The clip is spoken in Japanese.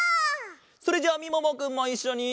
それじゃあみももくんもいっしょに。